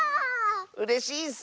うれしいッス！